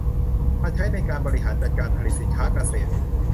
มาใช้ในการบริหารจัดการการผลิตสินค้าเกษตร